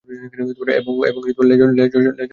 এবং লেজার শিল্ডও পেয়েছি।